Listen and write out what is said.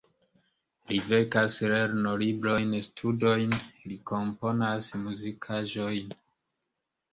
Li verkas lernolibrojn, studojn, li komponas muzikaĵojn.